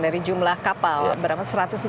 dari jumlah kapal berapa satu ratus empat puluh lima